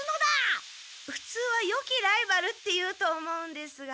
ふつうはよきライバルって言うと思うんですが。